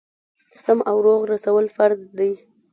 سم او روغ رسول فرض دي.